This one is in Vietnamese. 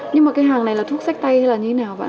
nhưng mà cái hàng này là thuốc sách tay hay là như thế nào